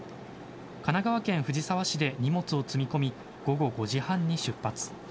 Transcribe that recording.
神奈川県藤沢市で荷物を積み込み、午後５時半に出発。